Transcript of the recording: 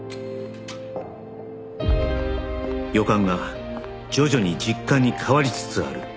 予感が徐々に実感に変わりつつある